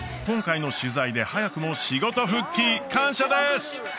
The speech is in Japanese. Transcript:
今回の取材で早くも仕事復帰感謝です！